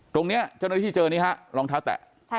ตรงนี้เจ้าหน้าที่เจอนี่ฮะรองเท้าแตะ